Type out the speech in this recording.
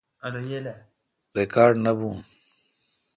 ریکاڑ نہ بھون